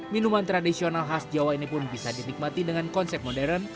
minuman tradisional khas jawa ini pun bisa dinikmati dengan konsep modern